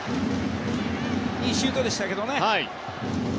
いいシュートでしたけどね。